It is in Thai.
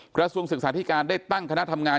ครัศวงศ์สถาทิการได้ตั้งคณะทำงาน